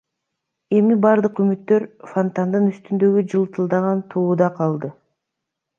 Эми бардык үмүттөр фонтандын үстүндөгү жалтылдаган тууда калды.